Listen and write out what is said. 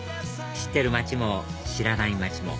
知ってる街も知らない街も